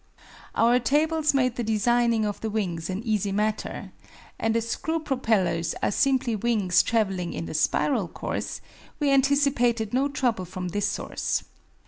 Our tables made the designing of the wings an easy matter, and as screw propellers are simply wings traveling in a spiral course, we anticipated no trouble from this source.